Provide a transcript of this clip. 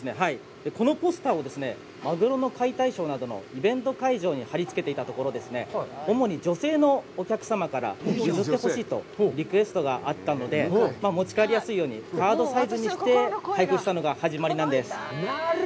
このポスターをマグロの解体ショーなどのイベント会場に張りつけていたところ、主に女性のお客様から譲ってほしいとリクエストがあったので、持ち帰りやすいようにカードサイズにして配付したのが始まりなんです。